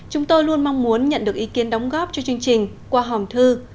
chúng tôi luôn mong muốn nhận được ý kiến đóng góp cho chương trình qua hòm thư